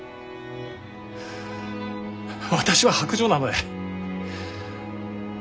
私は薄情なので。